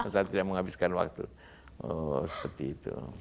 saya tidak menghabiskan waktu seperti itu